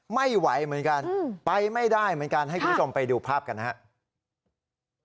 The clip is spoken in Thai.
ไม่ไหวเหมือนกันไปไม่ได้เหมือนกันให้คุณผู้ชมไปดูภาพกันนะครับ